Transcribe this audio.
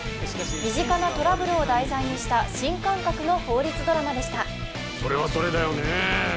身近なトラブルを題材にした新感覚の法律ドラマでしたそれはそれだよねえええ